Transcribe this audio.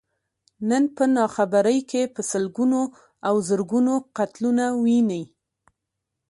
نن په ناخبرۍ کې په سلګونو او زرګونو قتلونه ويني.